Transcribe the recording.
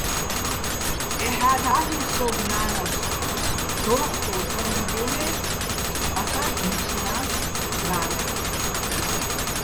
ეჰა́თ ა́ლირ სოგო̆ ნანას, დო́ხტურ თაგლიბ-ა́ჲნო̆-ე́ ასა́ დი́შნა́ს ნანეხ.